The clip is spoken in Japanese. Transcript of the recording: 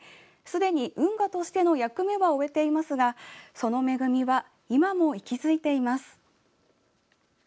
すでに運河としての役目は終えていますがその恵みは今も息づいています。